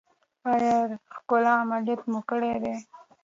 ایا ښکلا عملیات مو کړی دی؟